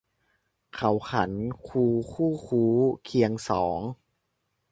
เขาขันคูคู่คู้ เคียงสอง